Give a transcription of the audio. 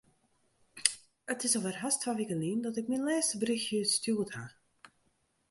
It is alwer hast twa wike lyn dat ik myn lêste berjochtsje stjoerd haw.